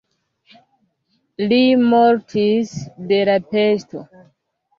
Li mortis de la pesto.